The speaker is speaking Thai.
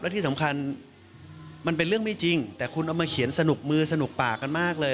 ที่สำคัญมันเป็นเรื่องไม่จริงแต่คุณเอามาเขียนสนุกมือสนุกปากกันมากเลย